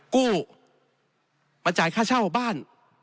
กู้มาจ่ายค่าเช่าบ้าน